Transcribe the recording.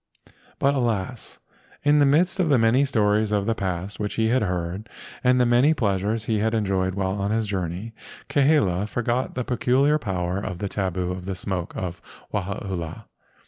But alas! in the midst of the many stories of the past which he had heard, and the many pleasures he had enjoyed while on his journey, Kahele forgot the peculiar power of the tabu of the smoke of Wahaula.